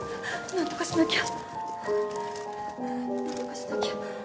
何とかしなきゃ。